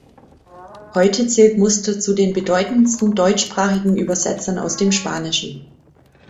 Heute zählt Muster zu den bedeutendsten deutschsprachigen Übersetzern aus dem Spanischen.